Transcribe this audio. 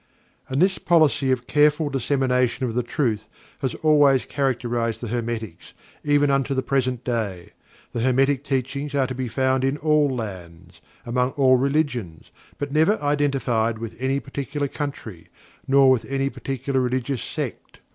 And this policy of careful dissemination of the truth has always characterized the Hermetics, even unto the present day. The Hermetic Teachings are to be found in all lands, among all religions, but never identified with any particular country, nor with any particular religious sect.